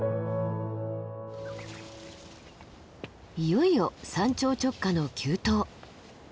いよいよ山頂直下の急登。